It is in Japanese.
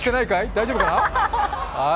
大丈夫かい？